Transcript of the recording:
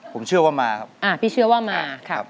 ผมเชื่อว่ามาครับอ่าพี่เชื่อว่ามาครับ